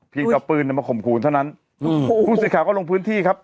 พีชก็ปืนมาข่มขูนเท่านั้นคุณศิษย์ขาดเขาลงพื้นที่ครับ